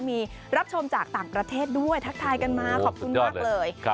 มีรับชมจากต่างประเทศด้วยทักทายกันมาขอบคุณมากเลย